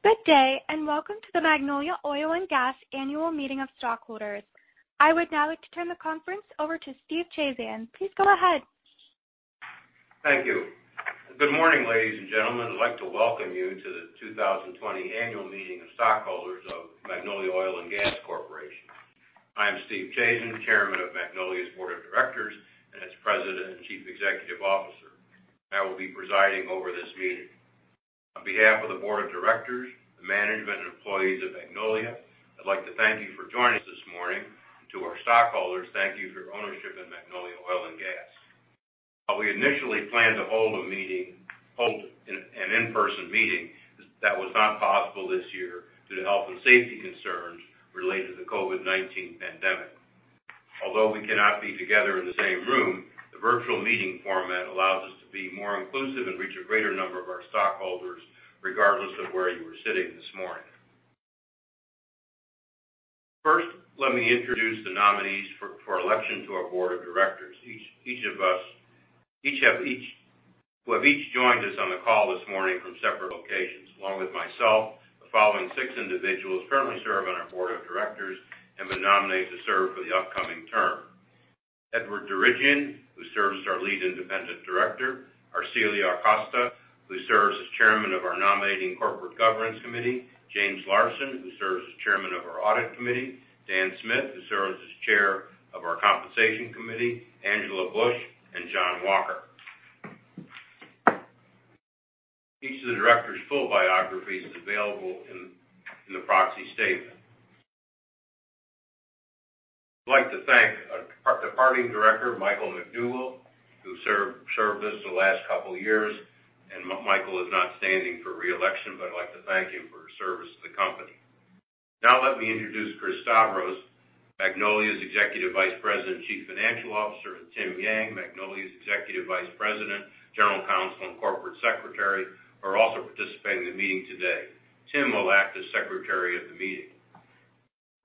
Good day, welcome to the Magnolia Oil & Gas Annual Meeting of Stockholders. I would now like to turn the conference over to Steve Chazen. Please go ahead. Thank you. Good morning, ladies and gentlemen. I'd like to welcome you to the 2020 annual meeting of stockholders of Magnolia Oil & Gas Corporation. I am Steve Chazen, Chairman of Magnolia's Board of Directors and its President and Chief Executive Officer. I will be presiding over this meeting. On behalf of the board of directors, the management, and employees of Magnolia, I'd like to thank you for joining us this morning. To our stockholders, thank you for your ownership in Magnolia Oil & Gas. While we initially planned to hold an in-person meeting, that was not possible this year due to health and safety concerns related to the COVID-19 pandemic. Although we cannot be together in the same room, the virtual meeting format allows us to be more inclusive and reach a greater number of our stockholders, regardless of where you are sitting this morning. First, let me introduce the nominees for election to our board of directors, who have each joined us on the call this morning from separate locations. Along with myself, the following six individuals currently serve on our board of directors and have been nominated to serve for the upcoming term. Edward Djerejian, who serves as our lead independent director, Arcilia Acosta, who serves as chairman of our nominating corporate governance committee, James Larson, who serves as chairman of our audit committee, Dan Smith, who serves as chair of our compensation committee, Angela Busch, and John Walker. Each of the directors' full biographies is available in the proxy statement. I'd like to thank our departing director, Michael MacDougall, who served us the last couple of years. Michael is not standing for re-election, but I'd like to thank him for his service to the company. Now let me introduce Christos, Magnolia's Executive Vice President and Chief Financial Officer, and Tim Yang, Magnolia's Executive Vice President, General Counsel, and Corporate Secretary, who are also participating in the meeting today. Tim will act as Secretary of the meeting.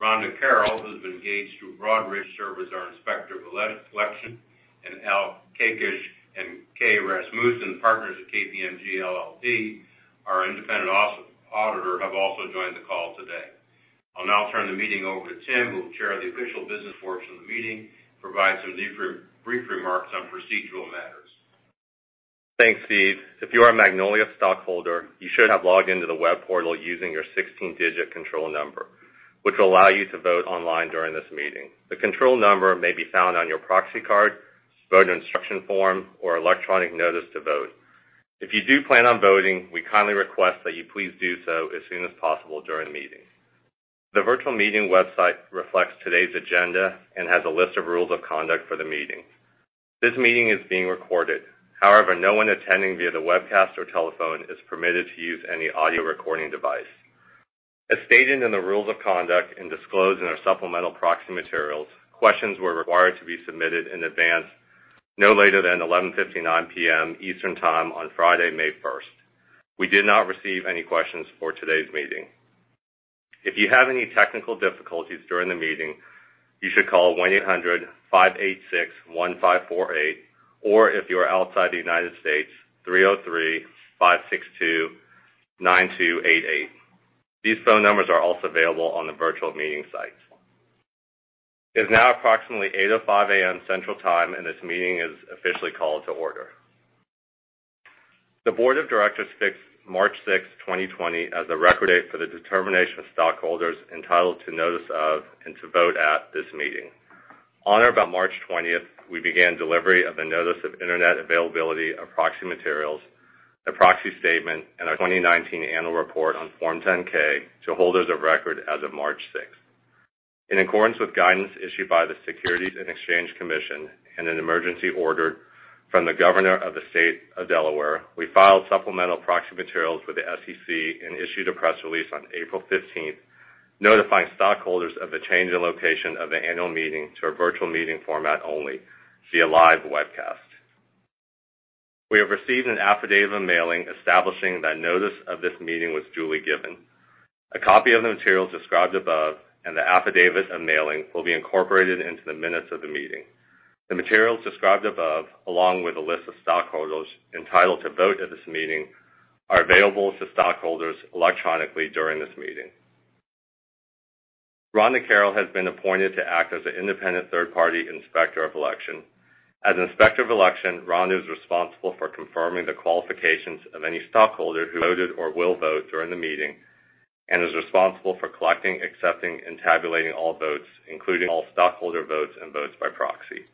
Rhonda Carroll, who has been engaged through Broadridge to serve as our Inspector of Election, and Al Kaikish and Kay Rasmussen, Partners at KPMG LLP, our independent auditor, have also joined the call today. I'll now turn the meeting over to Tim, who will chair the official business portion of the meeting and provide some brief remarks on procedural matters. Thanks, Steve. If you are a Magnolia stockholder, you should have logged in to the web portal using your 16-digit control number, which will allow you to vote online during this meeting. The control number may be found on your proxy card, voter instruction form, or electronic notice to vote. If you do plan on voting, we kindly request that you please do so as soon as possible during the meeting. The virtual meeting website reflects today's agenda and has a list of rules of conduct for the meeting. This meeting is being recorded. However, no one attending via the webcast or telephone is permitted to use any audio recording device. As stated in the rules of conduct and disclosed in our supplemental proxy materials, questions were required to be submitted in advance, no later than 11:59 P.M. Eastern Time on Friday, May 1st. We did not receive any questions for today's meeting. If you have any technical difficulties during the meeting, you should call 1-800-586-1548, or if you are outside the United States, 303-562-9288. These phone numbers are also available on the virtual meeting site. It is now approximately 8:05 A.M. Central Time, and this meeting is officially called to order. The board of directors fixed March 6th, 2020, as the record date for the determination of stockholders entitled to notice of and to vote at this meeting. On or about March 20th, we began delivery of the notice of Internet availability of proxy materials, the proxy statement, and our 2019 annual report on Form 10-K to holders of record as of March 6th. In accordance with guidance issued by the Securities and Exchange Commission and an emergency order from the Governor of the State of Delaware, we filed supplemental proxy materials with the SEC and issued a press release on April 15th notifying stockholders of the change in location of the annual meeting to a virtual meeting format only via live webcast. We have received an affidavit of mailing establishing that notice of this meeting was duly given. A copy of the materials described above and the affidavit of mailing will be incorporated into the minutes of the meeting. The materials described above, along with a list of stockholders entitled to vote at this meeting, are available to stockholders electronically during this meeting. Rhonda Carroll has been appointed to act as the independent third-party Inspector of Election. As Inspector of Election, Rhonda is responsible for confirming the qualifications of any stockholder who voted or will vote during the meeting and is responsible for collecting, accepting, and tabulating all votes, including all stockholder votes and votes by proxy.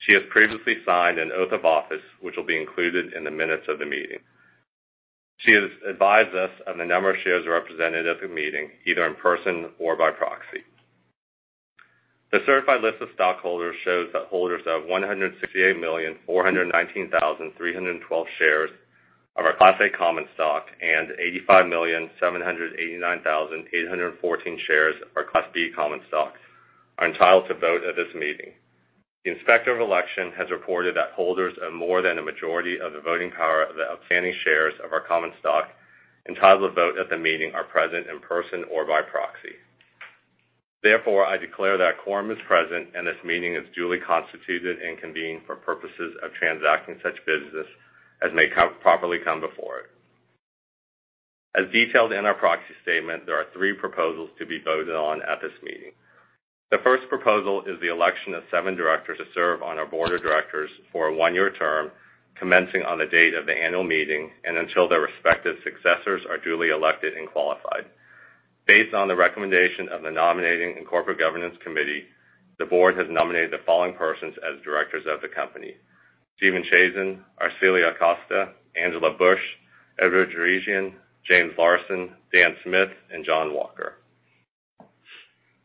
She has previously signed an oath of office, which will be included in the minutes of the meeting. She has advised us of the number of shares represented at the meeting, either in person or by proxy. The certified list of stockholders shows that holders of 168,419,312 shares of our Class A common stock and 85,789,814 shares of our Class B common stock are entitled to vote at this meeting. The Inspector of Election has reported that holders of more than a majority of the voting power of the outstanding shares of our common stock entitled to vote at the meeting are present in person or by proxy. Therefore, I declare that quorum is present, and this meeting is duly constituted and convened for purposes of transacting such business as may properly come before it. As detailed in our proxy statement, there are three proposals to be voted on at this meeting. The first proposal is the election of seven directors to serve on our board of directors for a one-year term, commencing on the date of the annual meeting and until their respective successors are duly elected and qualified. Based on the recommendation of the nominating and corporate governance committee, the board has nominated the following persons as directors of the company: Steve Chazen, Arcilia Acosta, Angela Busch, Edward Djerejian, James Larson, Dan Smith, and John Walker.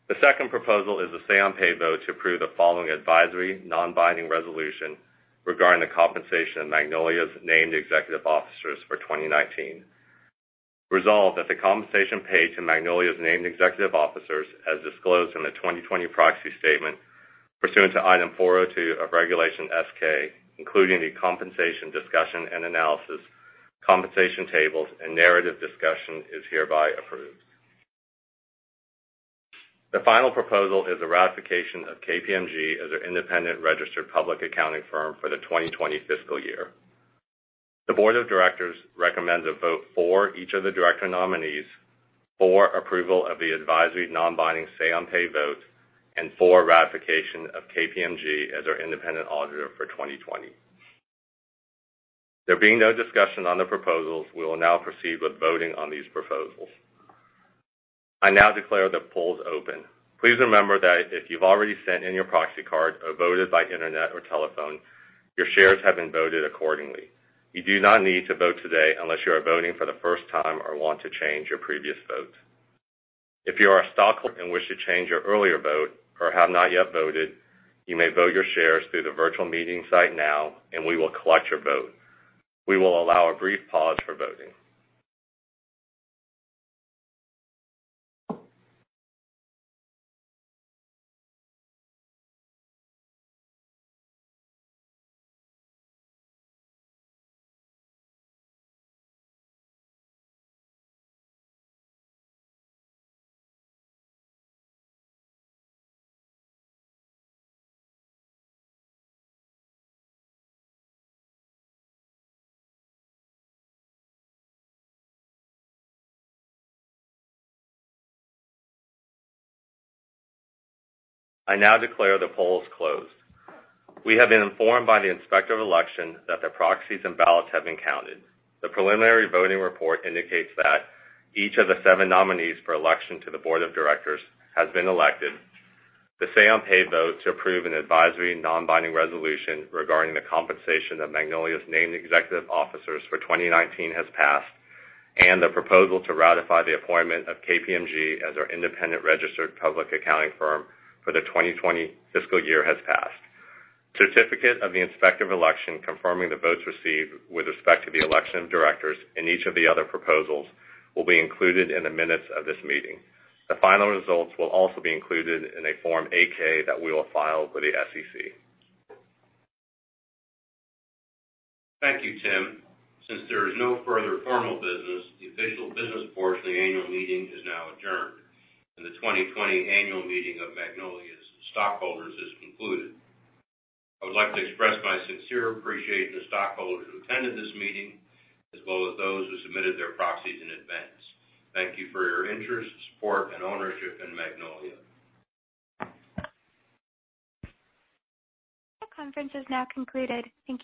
The second proposal is a say-on-pay vote to approve the following advisory non-binding resolution regarding the compensation of Magnolia's named executive officers for 2019. Resolved that the compensation paid to Magnolia's named executive officers as disclosed in the 2020 proxy statement pursuant to Item 402 of Regulation S-K, including the compensation discussion and analysis, compensation tables, and narrative discussion is hereby approved. The final proposal is a ratification of KPMG as our independent registered public accounting firm for the 2020 fiscal year. The board of directors recommends a vote for each of the director nominees for approval of the advisory non-binding say-on-pay vote and for ratification of KPMG as our independent auditor for 2020. There being no discussion on the proposals, we will now proceed with voting on these proposals. I now declare the polls open. Please remember that if you've already sent in your proxy card or voted by internet or telephone, your shares have been voted accordingly. You do not need to vote today unless you are voting for the first time or want to change your previous vote. If you are a stockholder and wish to change your earlier vote or have not yet voted, you may vote your shares through the virtual meeting site now, and we will collect your vote. We will allow a brief pause for voting. I now declare the polls closed. We have been informed by the Inspector of Election that the proxies and ballots have been counted. The preliminary voting report indicates that each of the seven nominees for election to the board of directors has been elected. The say-on-pay vote to approve an advisory non-binding resolution regarding the compensation of Magnolia's named executive officers for 2019 has passed, and the proposal to ratify the appointment of KPMG as our independent registered public accounting firm for the 2020 fiscal year has passed. Certificate of the Inspector of Election confirming the votes received with respect to the election of directors and each of the other proposals will be included in the minutes of this meeting. The final results will also be included in a Form 8-K that we will file with the SEC. Thank you, Tim. Since there is no further formal business, the official business portion of the annual meeting is now adjourned, and the 2020 annual meeting of Magnolia's stockholders is concluded. I would like to express my sincere appreciation to stockholders who attended this meeting, as well as those who submitted their proxies in advance. Thank you for your interest, support, and ownership in Magnolia. This conference is now concluded. Thank you.